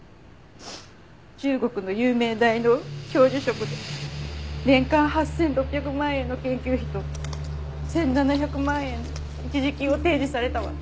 中国の有名大の教授職で年間８６００万円の研究費と１７００万円の一時金を提示されたわ。